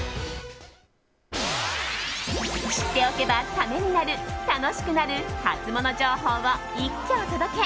知っておけばためになる、楽しくなるハツモノ情報を一挙お届け！